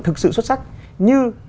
thực sự xuất sắc như